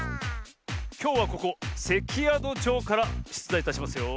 きょうはここせきやどじょうからしゅつだいいたしますよ。